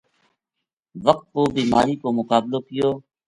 وقت پو بیماری کو مقابلو کیو